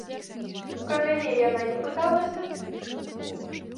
Пра мяне яна не пыталася?